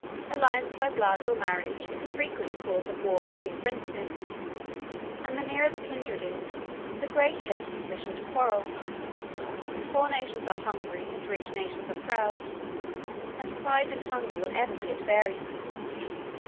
Alliance by blood, or marriage, is a frequent cause of war between princes; and the nearer the kindred is, the greater their disposition to quarrel; poor nations are hungry, and rich nations are proud; and pride and hunger will ever be at variance.